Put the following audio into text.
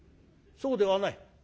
「そうではない。